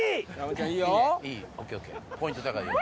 ポイント高いよ。